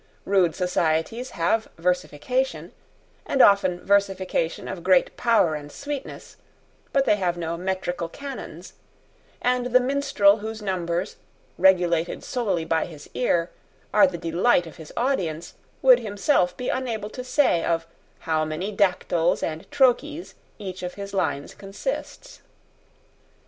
Rude societies have versification, and often versification of great power and sweetness: but they have no metrical canons; and the minstrel whose numbers, regulated solely by his ear, are the delight of his audience, would himself be unable to say of how many dactyls and trochees each of his lines consists.